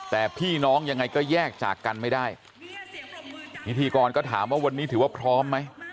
แต่พี่น้องยังไงก็แยกจากกันไม่ได้พิธีกรก็ถามว่าวันนี้ถือว่าพร้อมไหม